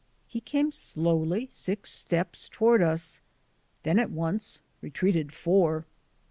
He came slowly six steps toward us, then at once retreated four.